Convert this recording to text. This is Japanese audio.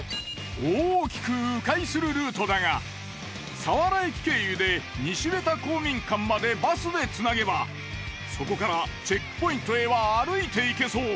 大きくう回するルートだが佐原駅経由で西部田公民館までバスでつなげばそこからチェックポイントへは歩いて行けそう。